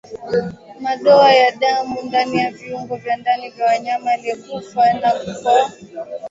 Madoa ya damu ndani ya viungo vya ndani vya mnyama aliyekufa kwa ndigana kali